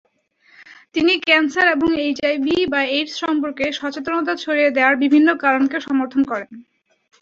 তিনি ক্যান্সার এবং এইচআইভি/এইডস সম্পর্কে সচেতনতা ছড়িয়ে দেওয়ার বিভিন্ন কারণকে সমর্থন করেন।